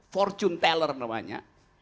fortune teller namanya